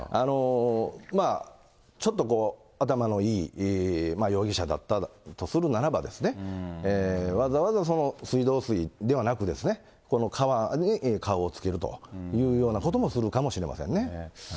ちょっと頭のいい容疑者だったとするならば、わざわざ水道水ではなく、この川に顔をつけるというようなこともするかもしれませんね。